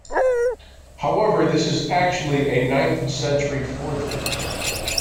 However, this is actually a ninth-century forgery.